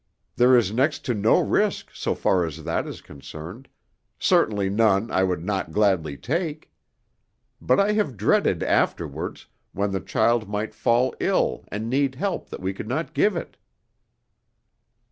There is next to no risk, so far as that is concerned, certainly none I would not gladly take. But I have dreaded afterwards, when the child might fall ill and need help that we could not give it."